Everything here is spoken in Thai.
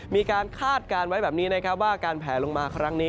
คาดการณ์ไว้แบบนี้นะครับว่าการแผลลงมาครั้งนี้